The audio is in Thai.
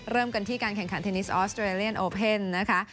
เริ่มกันที่การแข่งขันเทนนิสออสเตรเลียนโอเพ่นนะคะ